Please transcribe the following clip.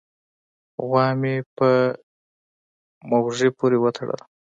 غوا مې په مږوي پورې و تړله